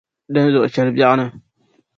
Dinzuɣu cheli biɛɣuni